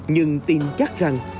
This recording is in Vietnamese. nhưng tin chắc rằng